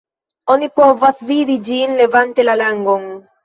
Oni povas vidi ĝin levante la langon.